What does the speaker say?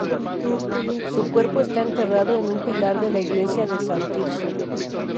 Su cuerpo está enterrado en un pilar de la iglesia de San Tirso.